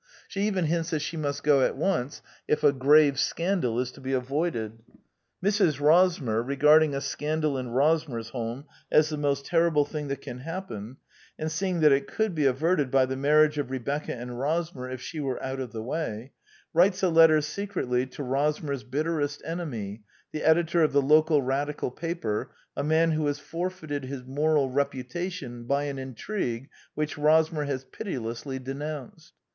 She even hints that she must go at once if a grave scandal is to be avoided. Mrs. Rosmer, regarding a scandal in Rosmersholm as the most terrible thing that can happen, and see ing that it could be averted by the marriage of Rebecca and Rosmer if she were out of the way, writes a letter secretly to Rosmer's bitterest enemy, the editor of the local Radical paper, a man who has forfeited his moral reputation by an intrigue which Rosmer has pitilessly de nounced.